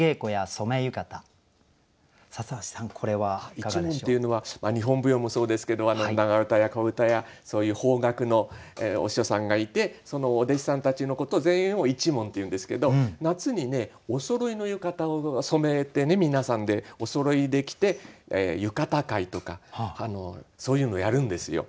「一門」というのは日本舞踊もそうですけど長唄や小唄やそういう邦楽のお師匠さんがいてそのお弟子さんたちのこと全員を一門っていうんですけど夏におそろいの浴衣を染めてね皆さんでおそろいで着て浴衣会とかそういうのをやるんですよ。